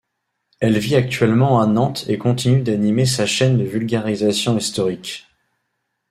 Elle vit actuellement à Nantes et continue d'animer sa chaîne de vulgarisation historique.